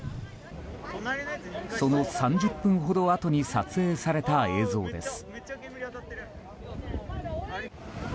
その３０分ほどあとに撮影された映像です。